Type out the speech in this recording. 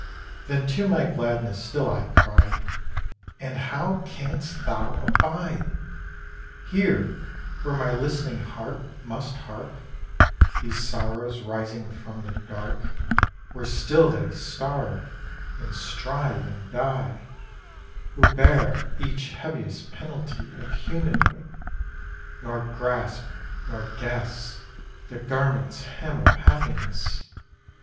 Then to my Gladness still I cried: 'And how canst thou abide? ' Here, where my listening heart must hark These sorrows rising from the Dark Where still they starve, and strive and die, Who bear each heaviest penalty Of humanhood; nor grasp, nor guess, The garment's hem of happiness!